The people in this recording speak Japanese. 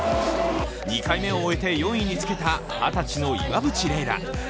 ２回目を終えて４位につけた二十歳の岩渕麗楽。